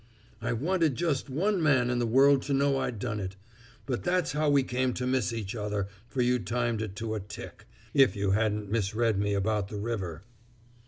I wanted just one man in the world to know I'd done it. But that's how we came to miss each other, for you timed it to a tick, if you hadn't misread me about the river."